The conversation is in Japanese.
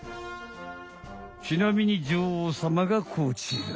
ちなみに女王様がこちら。